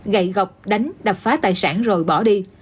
gậy gọc đánh đập phá tài sản rồi bỏ đi